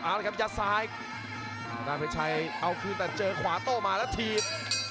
เอาละครับยัดซ้ายทางด้านเพชรชัยเอาคืนแต่เจอขวาโต้มาแล้วถีบ